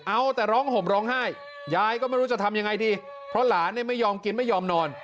เอาแต่ร้องห่มร้องไห้ยายก็ไม่รู้จะทำยังไงดีเพราะหลานเนี่ยไม่ยอมกินไม่ยอมนอน